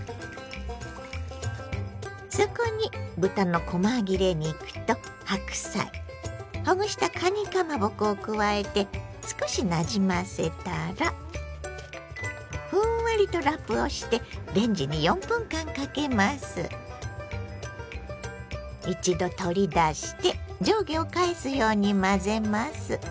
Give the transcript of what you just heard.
そこに豚のこま切れ肉と白菜ほぐしたかにかまぼこを加えて少しなじませたらふんわりとラップをして一度取り出して上下を返すように混ぜます。